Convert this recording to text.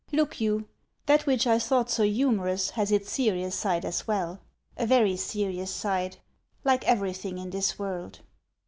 Look you, that which I thought so humorous has its serious side as well, a very serious side, like everything in this world